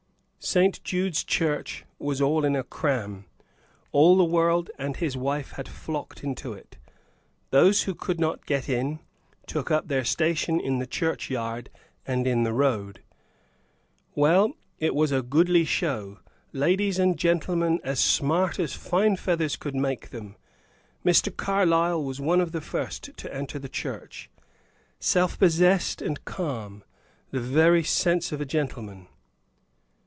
St. Jude's Church was in a cram; all the world and his wife had flocked into it. Those who could not get in, took up their station in the churchyard and in the road. Well, it was a goodly show. Ladies and gentlemen as smart as fine feathers could make them. Mr. Carlyle was one of the first to enter the church, self possessed and calm, the very sense of a gentleman.